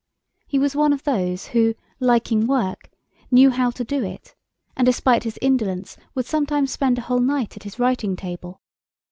He was one of those, who, liking work, knew how to do it, and despite his indolence would sometimes spend a whole night at his writing table.